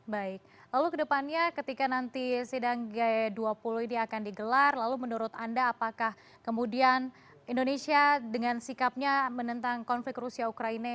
baik lalu ke depannya ketika nanti sidang g dua puluh ini akan digelar lalu menurut anda apakah kemudian indonesia dengan sikapnya menentang konflik rusia ukraina